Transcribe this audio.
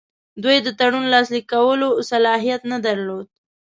دوی د تړون لاسلیک کولو صلاحیت نه درلود.